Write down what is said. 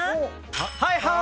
はいはい！